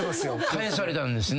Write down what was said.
帰されたんですね